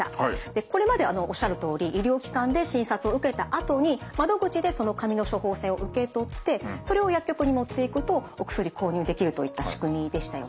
これまでおっしゃるとおり医療機関で診察を受けたあとに窓口でその紙の処方箋を受け取ってそれを薬局に持っていくとお薬購入できるといった仕組みでしたよね。